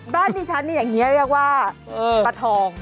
บ้านที่ฉันอย่างนี้เรียกว่าปลาทอง